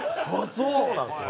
そうなんですよ。